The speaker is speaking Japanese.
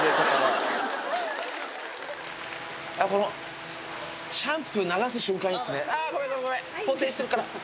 あっこのシャンプー流す瞬間いいっすね。